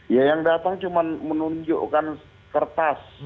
ya yang datang cuma menunjukkan kertas